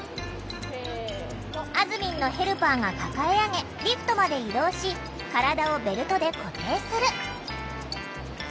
あずみんのヘルパーが抱え上げリフトまで移動し体をベルトで固定する。